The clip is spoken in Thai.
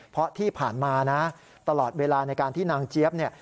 เพราะที่ผ่านมานะตลอดเวลาในการที่นางเจี๊ยบเนี่ย